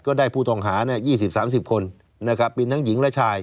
ก็ได้ผู้ต่องหาเนี่ยยี่สิบสามสิบคนนะครับเป็นทั้งหญิงและชาย